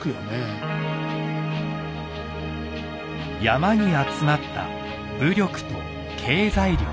山に集まった武力と経済力。